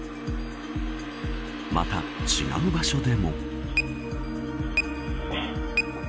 また、違う場所でも。